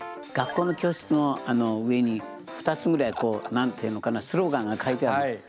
学校の教室の上に２つぐらいこうなんていうのかなスローガンが書いてある。